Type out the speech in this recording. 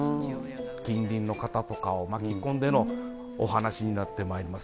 近隣の方とかを巻き込んでのお話になってまいります。